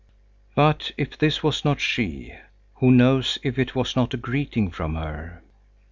But if this was not she, who knows if it was not a greeting from her.